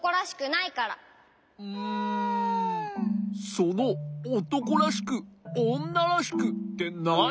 そのおとこらしくおんならしくってなに？